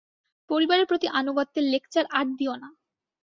পরিবারের প্রতি আনুগত্যের লেকচার আর দিও না।